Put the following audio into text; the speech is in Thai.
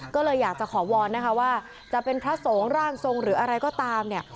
ก็เลยอยากจะขอวอนนะคะว่าจะเป็นพระสงฆ์ร่างทรงหรืออะไรก็ตามเนี่ย